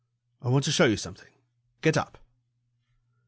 "I want to show you something. Get up."